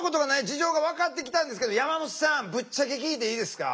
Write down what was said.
事情が分かってきたんですけど山本さんぶっちゃけ聞いていいですか？